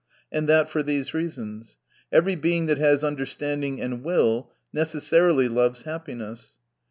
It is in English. And that for these reasons. Every Being that has understanding and will, necessarily loves happiness.